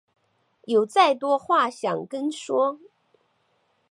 有再多话想跟说